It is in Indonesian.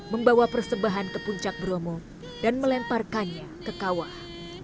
membawa persembahan ke puncak bromo dan melemparkannya ke kawah